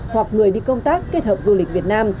hoặc người đi công tác kết hợp du lịch việt nam